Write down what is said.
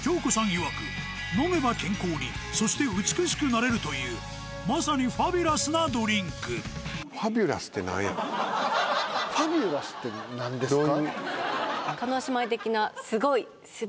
いわく飲めば健康にそして美しくなれるというまさにファビュラスなドリンク叶姉妹的なだそうです